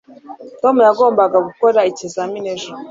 tom yagombaga gukora ikizamini ejo